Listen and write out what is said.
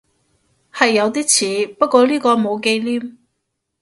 係有啲似，不過呢個冇忌廉